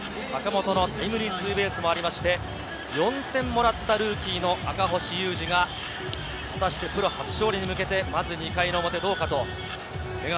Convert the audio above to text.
坂本のタイムリーツーベースもあって、４点もらったルーキーの赤星優志がプロ初勝利に向けて、まず２回の表どうか。